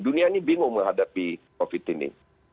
dunia ini bingung menghadapi covid ini